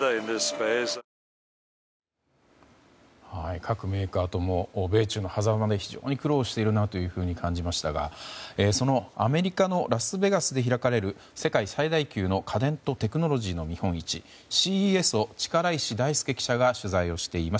各メーカーとも米中のはざまで非常に苦労しているなと感じましたがそのアメリカのラスベガスで開かれる世界最大級の家電とテクノロジーの見本市ＣＥＳを力石大輔記者が取材しています。